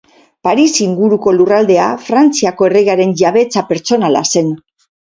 Paris inguruko lurraldea Frantziako erregearen jabetza pertsonala zen.